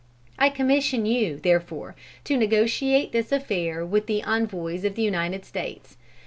I commission you, therefore, to negotiate this affair with the envoys of the United States.